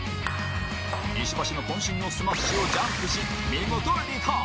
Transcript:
石橋の渾身のスマッシュをジャンプし見事リターン